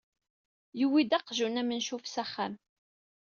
Yewwi-d aqjun amencuf s axxam.